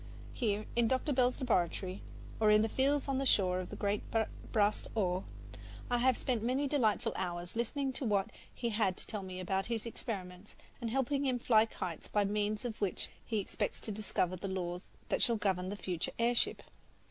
Here in Dr. Bell's laboratory, or in the fields on the shore of the great Bras d'Or, I have spent many delightful hours listening to what he had to tell me about his experiments, and helping him fly kites by means of which he expects to discover the laws that shall govern the future air ship.